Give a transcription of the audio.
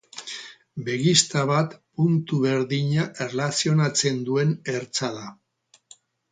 Begizta bat puntu berdina erlazionatzen duen ertza da.